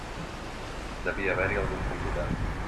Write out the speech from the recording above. Devia haver-hi algun convidat.